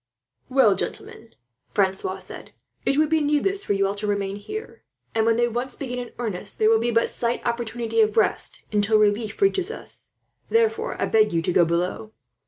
"Well, gentlemen," Francois said, "it would be needless for you all to remain here; and when they once begin in earnest, there will be but slight opportunity of rest until relief reaches us. Therefore, I beg you to go below.